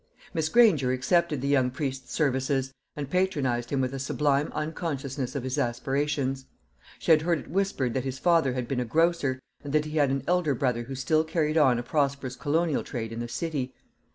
Miss Granger accepted the young priest's services, and patronised him with a sublime unconsciousness of his aspirations. She had heard it whispered that his father had been a grocer, and that he had an elder brother who still carried on a prosperous colonial trade in the City.